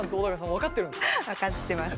分かってます。